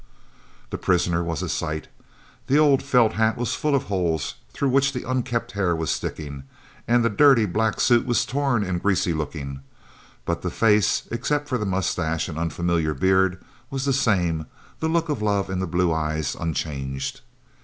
The prisoner was a sight! The old felt hat was full of holes, through which the unkempt hair was sticking, and the dirty black suit was torn and greasy looking but the face, except for the moustache and unfamiliar beard, was the same, the look of love in the blue eyes unchanged.